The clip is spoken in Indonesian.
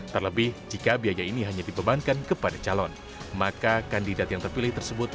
terlebih jika biaya ini hanya dibebankan kepada calon maka kandidat yang terpilih tersebut